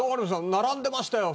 並んでましたよ。